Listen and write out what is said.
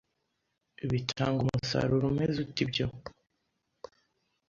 Bitanga umusaruro umeze ute ibyo